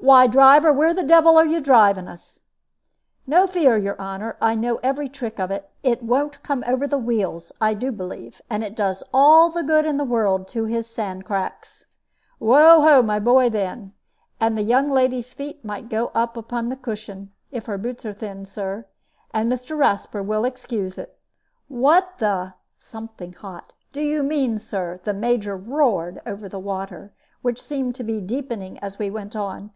Why, driver, where the devil are you driving us?" "No fear, your honor. I know every trick of it. It won't come over the wheels, I do believe, and it does all the good in the world to his sand cracks. Whoa ho, my boy, then! And the young lady's feet might go up upon the cushion, if her boots is thin, Sir; and Mr. Rasper will excuse of it." "What the" something hot "do you mean, Sir?" the Major roared over the water, which seemed to be deepening as we went on.